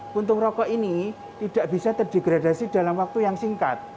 puntung rokok ini tidak bisa terdegradasi dalam waktu yang singkat